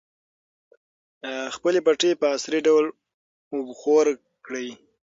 خپلې پټۍ په عصري ډول اوبخور کړئ.